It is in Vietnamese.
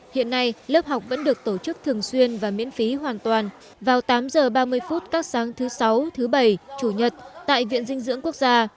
hiện nay lớp học vẫn được tổ chức thường xuyên và miễn phí hoàn toàn vào tám h ba mươi phút các sáng thứ sáu thứ bảy chủ nhật tại viện dinh dưỡng quốc gia